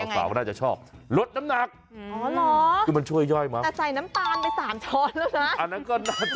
สาวน่าจะชอบลดน้ำหนัก